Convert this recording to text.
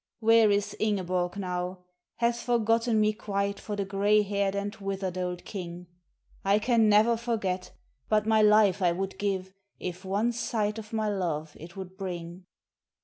"Where is Ingeborg now? Hath forgotten me quite for the gray haired and withered old king? I can never forget, but my life I would give, if one sight of my love it would bring.